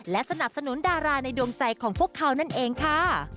และสนับสนุนดาราในดวงใจของพวกเขานั่นเองค่ะ